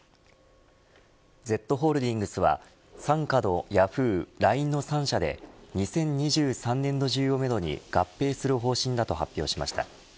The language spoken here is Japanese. Ｚホールディングスは傘下のヤフー、ＬＩＮＥの３社で２０２３年度中をめどに合併する方針だと発表しました。